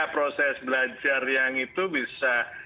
proses belajar yang itu bisa